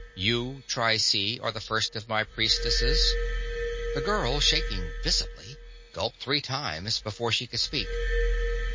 You, Trycie, are the first of my priestesses?" The girl, shaking visibly, gulped three times before she could speak.